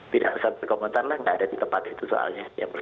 tidak usah berkomentar lah tidak ada di tempat itu soalnya